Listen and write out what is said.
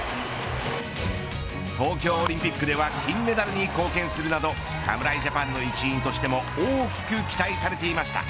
東京オリンピックでは金メダルに貢献するなど侍ジャパンの一員としても大きく期待されていました。